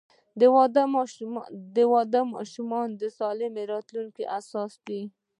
• واده د ماشومانو د سالم راتلونکي اساس دی.